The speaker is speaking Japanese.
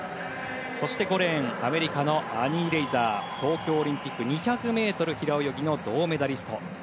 そして５レーンアメリカのアニー・レイザー東京オリンピック２００ｍ平泳ぎの銅メダリスト。